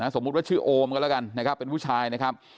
สมมุติว่าชื่อโอมกันแล้วกันนะครับเป็นผู้ชายนะครับ